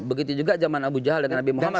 begitu juga zaman abu jal dengan nabi muhammad